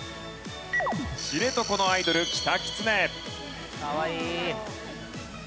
知床のアイドルキタキツネ。